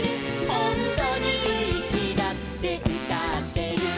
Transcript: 「ほんとにいい日だって歌ってる」